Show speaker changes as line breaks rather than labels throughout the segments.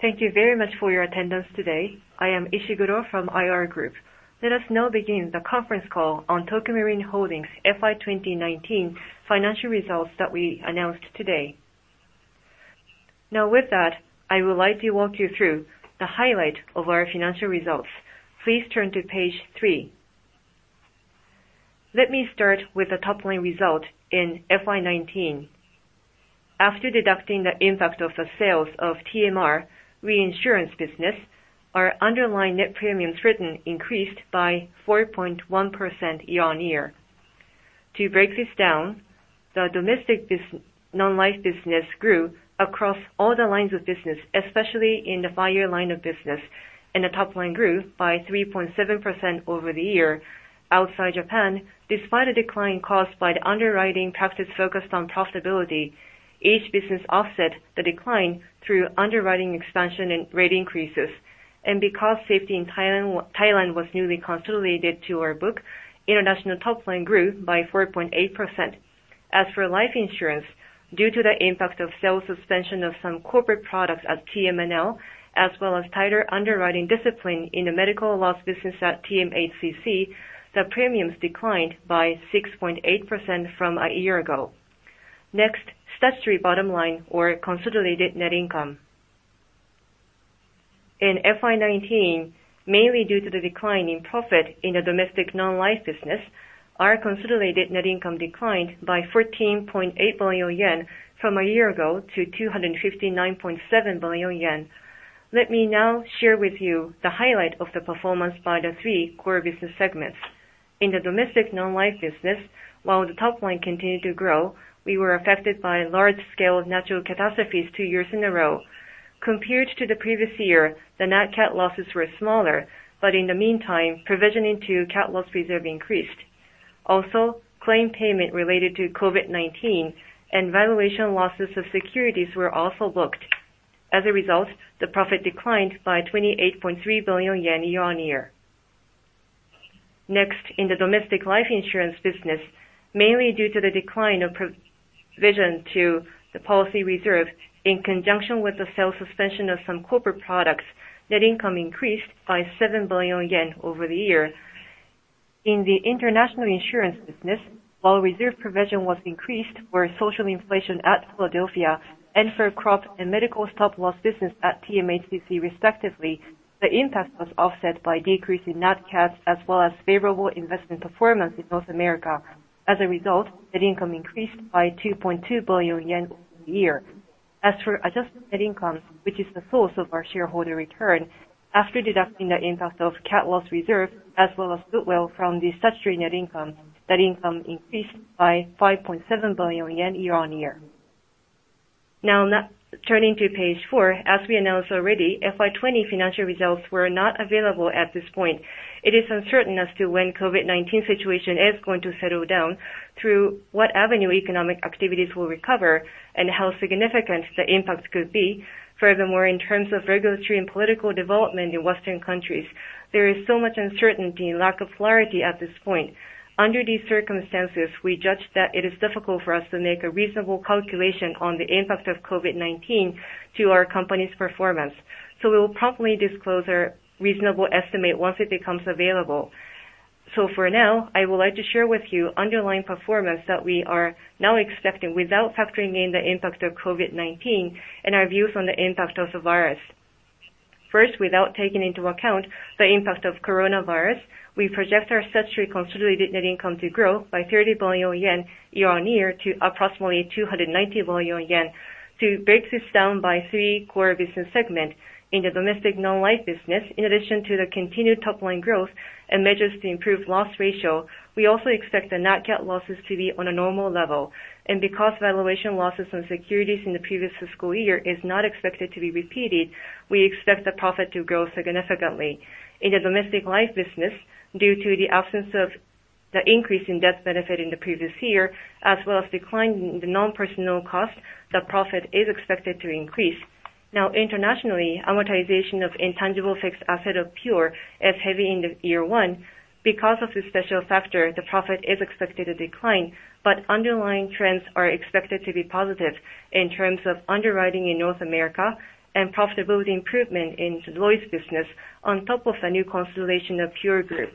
Thank you very much for your attendance today. I am Ishiguro from IR Group. Let us now begin the conference call on Tokio Marine Holdings' FY19 financial results that we announced today. With that, I would like to walk you through the highlight of our financial results. Please turn to page three. Let me start with the top line result in FY19. After deducting the impact of the sales of TMR reinsurance business, our underlying net premiums written increased by 4.1% year-on-year. To break this down, the domestic non-life business grew across all the lines of business, especially in the fire line of business, the top line grew by 3.7% over the year. Outside Japan, despite a decline caused by the underwriting practice focused on profitability, each business offset the decline through underwriting expansion and rate increases. Because Safety in Thailand was newly consolidated to our book, international top line grew by 4.8%. As for life insurance, due to the impact of sales suspension of some corporate products at TMNL, as well as tighter underwriting discipline in the medical stop-loss business at TMHCC, the premiums declined by 6.8% from a year ago. Next, statutory bottom line or consolidated net income. In FY19, mainly due to the decline in profit in the domestic non-life business, our consolidated net income declined by 14.8 billion yen from a year ago to 259.7 billion yen. Let me now share with you the highlight of the performance by the three core business segments. In the domestic non-life business, while the top line continued to grow, we were affected by large-scale natural catastrophes two years in a row. Compared to the previous year, the net cat losses were smaller, but in the meantime, provisioning to cat loss reserve increased. Also, claim payment related to COVID-19 and valuation losses of securities were also booked. As a result, the profit declined by 28.3 billion yen year-on-year. Next, in the domestic life insurance business, mainly due to the decline of provision to the policy reserve in conjunction with the sales suspension of some corporate products, net income increased by 7 billion yen over the year. In the international insurance business, while reserve provision was increased for social inflation at Philadelphia and for crop and medical stop-loss business at TMHCC respectively, the impact was offset by decrease in net cats as well as favorable investment performance in North America. As a result, net income increased by 2.2 billion yen over the year. As for adjusted net income, which is the source of our shareholder return, after deducting the impact of cat loss reserve as well as goodwill from the statutory net income, net income increased by 5.7 billion yen year-on-year. Turning to page four. As we announced already, FY20 financial results were not available at this point. It is uncertain as to when COVID-19 situation is going to settle down, through what avenue economic activities will recover, and how significant the impact could be. Furthermore, in terms of regulatory and political development in Western countries, there is so much uncertainty and lack of clarity at this point. Under these circumstances, we judge that it is difficult for us to make a reasonable calculation on the impact of COVID-19 to our company's performance. We will promptly disclose our reasonable estimate once it becomes available. For now, I would like to share with you underlying performance that we are now expecting without factoring in the impact of COVID-19 and our views on the impact of the virus. First, without taking into account the impact of coronavirus, we project our statutory consolidated net income to grow by 30 billion yen year-on-year to approximately 290 billion yen. To break this down by three core business segments. In the domestic non-life business, in addition to the continued top line growth and measures to improve loss ratio, we also expect the net cat losses to be on a normal level. Because valuation losses on securities in the previous fiscal year is not expected to be repeated, we expect the profit to grow significantly. In the domestic life business, due to the absence of the increase in death benefit in the previous year, as well as decline in the non-personnel cost, the profit is expected to increase. Internationally, amortization of intangible fixed asset of Pure is heavy in the year one. Because of this special factor, the profit is expected to decline, but underlying trends are expected to be positive in terms of underwriting in North America and profitability improvement in Lloyd's business on top of the new consolidation of Pure Group.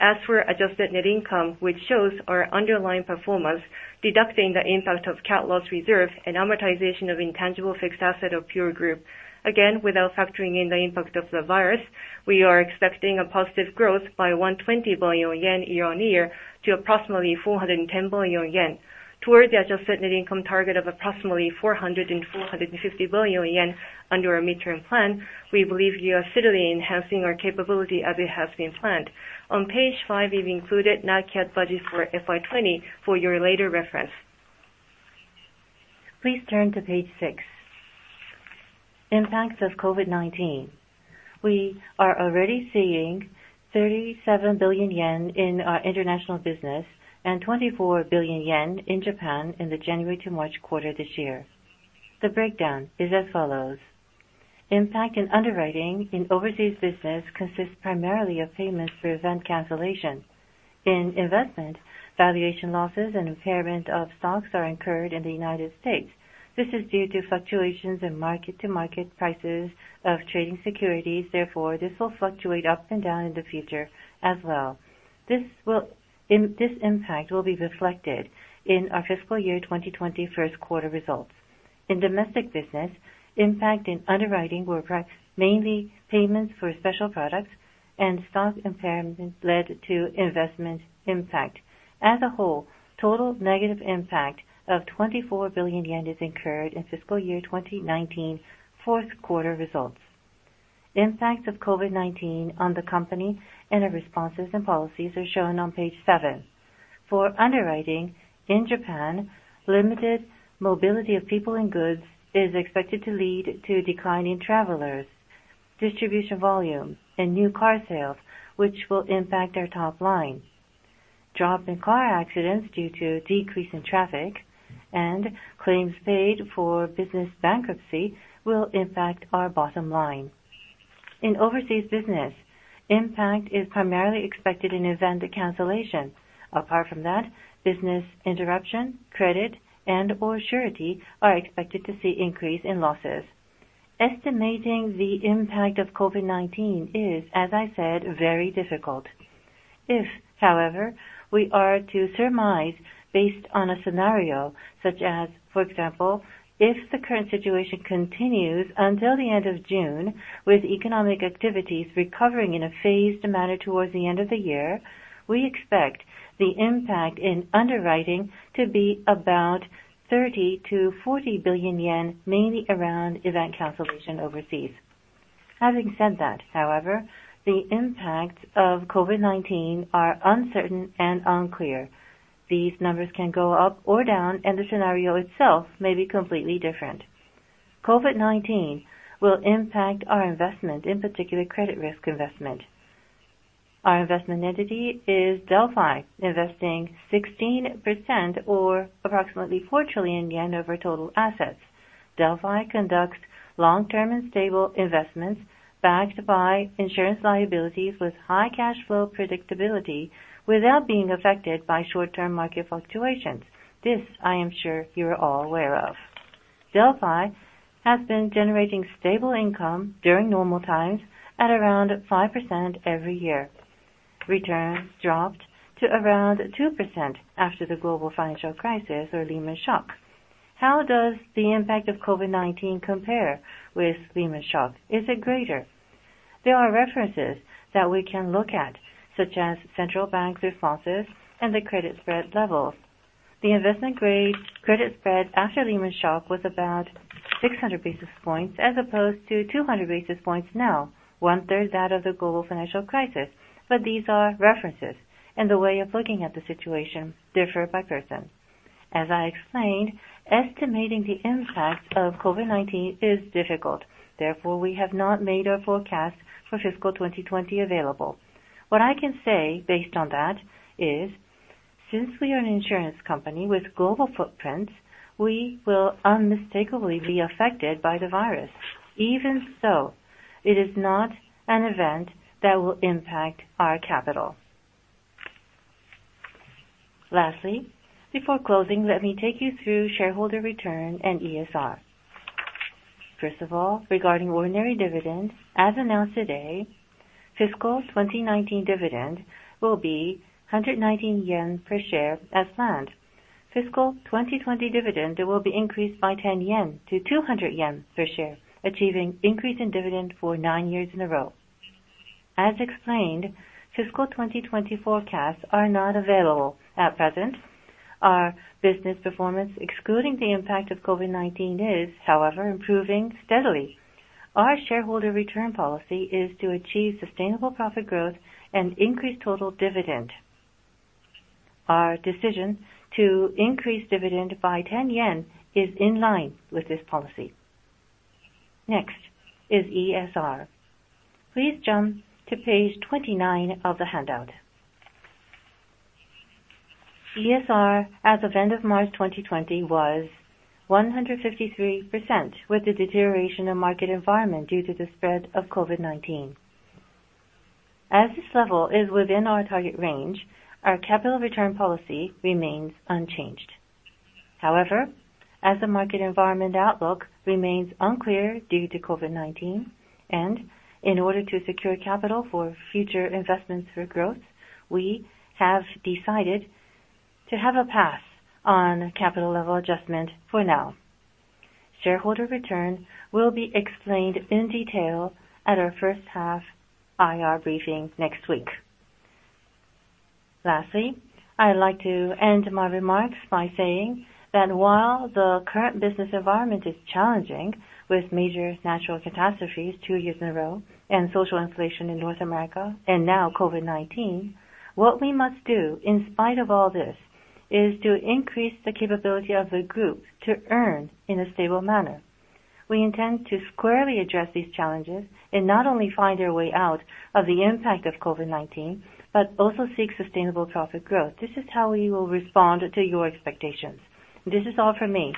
As for adjusted net income, which shows our underlying performance, deducting the impact of cat loss reserve and amortization of intangible fixed asset of Pure Group. Again, without factoring in the impact of the virus, we are expecting a positive growth by 120 billion yen year-on-year to approximately 410 billion yen. Towards the adjusted net income target of approximately 400 billion and 450 billion yen under our midterm plan, we believe we are steadily enhancing our capability as it has been planned. On page five, we've included net cat budget for FY 2020 for your later reference. Please turn to page six. Impacts of COVID-19. We are already seeing 37 billion yen in our international business and 24 billion yen in Japan in the January to March quarter this year. The breakdown is as follows. Impact in underwriting in overseas business consists primarily of payments for event cancellation. In investment, valuation losses and impairment of stocks are incurred in the U.S. This is due to fluctuations in mark-to-market prices of trading securities. Therefore, this will fluctuate up and down in the future as well. This impact will be reflected in our fiscal year 2020 first quarter results. In domestic business, impact in underwriting were mainly payments for special products and stock impairment led to investment impact. As a whole, total negative impact of 24 billion yen is incurred in fiscal year 2019 fourth quarter results. Impact of COVID-19 on the company and our responses and policies are shown on page seven. For underwriting in Japan, limited mobility of people and goods is expected to lead to a decline in travelers, distribution volume, and new car sales, which will impact our top line. Drop in car accidents due to decrease in traffic and claims paid for business bankruptcy will impact our bottom line. In overseas business, impact is primarily expected in event cancellation. Apart from that, business interruption, credit, and/or surety are expected to see increase in losses. Estimating the impact of COVID-19 is, as I said, very difficult. If, however, we are to surmise based on a scenario such as, for example, if the current situation continues until the end of June, with economic activities recovering in a phased manner towards the end of the year, we expect the impact in underwriting to be about 30 billion-40 billion yen, mainly around event cancellation overseas. Having said that, however, the impact of COVID-19 are uncertain and unclear. These numbers can go up or down, and the scenario itself may be completely different. COVID-19 will impact our investment, in particular credit risk investment. Our investment entity is Delphi, investing 16% or approximately 4 trillion yen over total assets. Delphi conducts long-term and stable investments backed by insurance liabilities with high cash flow predictability without being affected by short-term market fluctuations. This I am sure you are all aware of. Delphi has been generating stable income during normal times at around 5% every year. Returns dropped to around 2% after the global financial crisis or Lehman shock. How does the impact of COVID-19 compare with Lehman shock? Is it greater? There are references that we can look at, such as central bank responses and the credit spread levels. The investment-grade credit spread after Lehman shock was about 600 basis points as opposed to 200 basis points now, one-third that of the global financial crisis. These are references, and the way of looking at the situation differ by person. As I explained, estimating the impact of COVID-19 is difficult. Therefore, we have not made our forecast for fiscal 2020 available. What I can say based on that is, since we are an insurance company with global footprint, we will unmistakably be affected by the virus. Even so, it is not an event that will impact our capital. Lastly, before closing, let me take you through shareholder return and ESR. First of all, regarding ordinary dividends, as announced today, fiscal 2019 dividend will be 119 yen per share as planned. Fiscal 2020 dividend will be increased by 10 yen to 200 yen per share, achieving increase in dividend for nine years in a row. As explained, fiscal 2020 forecasts are not available at present. Our business performance, excluding the impact of COVID-19, is, however, improving steadily. Our shareholder return policy is to achieve sustainable profit growth and increase total dividend. Our decision to increase dividend by 10 yen is in line with this policy. Next is ESR. Please jump to page 29 of the handout. ESR as of end of March 2020 was 153% with the deterioration of market environment due to the spread of COVID-19. As this level is within our target range, our capital return policy remains unchanged. However, as the market environment outlook remains unclear due to COVID-19 and in order to secure capital for future investments for growth, we have decided to have a pass on capital level adjustment for now. Shareholder return will be explained in detail at our first half IR briefing next week. Lastly, I'd like to end my remarks by saying that while the current business environment is challenging with major natural catastrophes two years in a row and social inflation in North America, and now COVID-19, what we must do in spite of all this is to increase the capability of the group to earn in a stable manner. We intend to squarely address these challenges and not only find our way out of the impact of COVID-19, but also seek sustainable profit growth. This is how we will respond to your expectations. This is all from me.